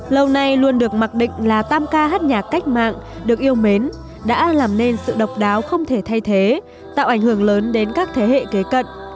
lâu nay luôn được mặc định là tam ca hát nhạc cách mạng được yêu mến đã làm nên sự độc đáo không thể thay thế tạo ảnh hưởng lớn đến các thế hệ kế cận